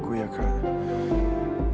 kalau aja aku bisa berhenti